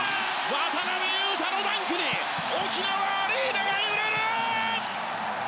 渡邊雄太のダンクに沖縄アリーナが揺れる！